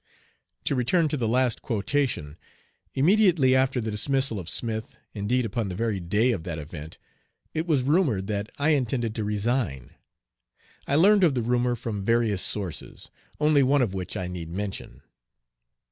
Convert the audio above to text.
To return to the last quotation. Immediately after the dismissal of Smith, indeed upon the very day of that event, it was rumored that I intended to resign. I learned of the rumor from various sources, only one of which I need mention.